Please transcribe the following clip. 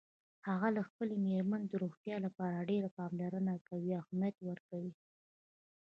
هغه د خپلې میرمن د روغتیا لپاره ډېره پاملرنه کوي او اهمیت ورکوي